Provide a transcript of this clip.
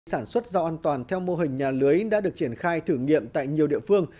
sản xuất rau an toàn theo mô hình nhà lưới đã được triển khai thử nghiệm tại nhiều địa phương